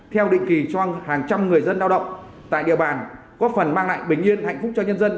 theo định kỳ cho hàng trăm người dân lao động tại địa bàn có phần mang lại bình yên hạnh phúc cho nhân dân